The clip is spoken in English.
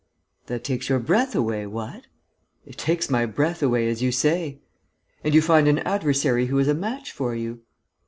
"That takes your breath away, what?" "It takes my breath away, as you say." "And you find an adversary who is a match for you?"